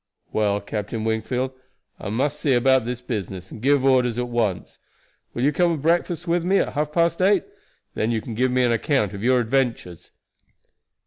"Well, Captain Wingfield, I must see about this business, and give orders at once. Will you come and breakfast with me at half past eight? Then you can give me an account of your adventures."